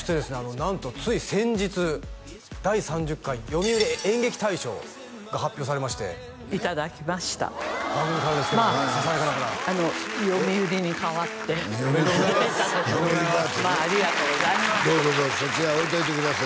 なんとつい先日第３０回読売演劇大賞が発表されましていただきました番組からですけどささやかながら読売に代わっておめでとうございますおめでとうございますまあありがとうございますそちらへ置いといてください